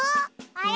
あれ？